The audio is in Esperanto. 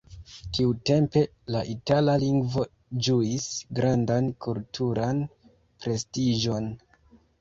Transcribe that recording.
Tiutempe, la itala lingvo ĝuis grandan kulturan prestiĝon.